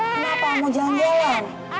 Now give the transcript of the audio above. kenapa mau jalan jalan